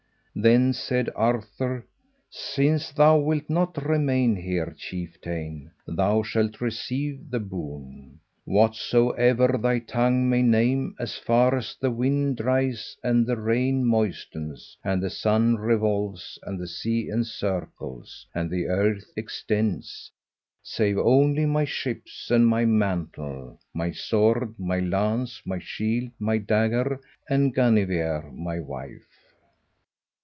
Then said Arthur, "Since thou wilt not remain here, chieftain, thou shalt receive the boon, whatsoever thy tongue may name, as far as the wind dries and the rain moistens, and the sun revolves, and the sea encircles, and the earth extends, save only my ships and my mantle, my sword, my lance, my shield, my dagger, and Guinevere my wife."